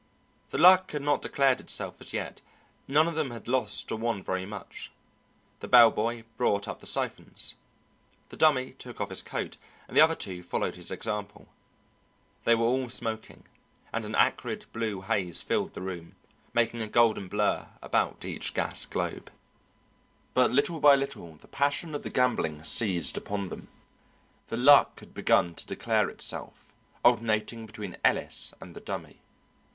The luck had not declared itself as yet; none of them had lost or won very much. The bell boy brought up the siphons. The Dummy took off his coat, and the other two followed his example. They were all smoking, and an acrid blue haze filled the room, making a golden blur about each gas globe. But little by little the passion of the gambling seized upon them. The luck had begun to declare itself, alternating between Ellis and the Dummy.